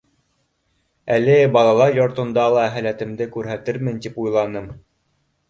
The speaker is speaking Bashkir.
Әле балалар йортонда ла һәләтемде күрһәтермен, тип уйланым.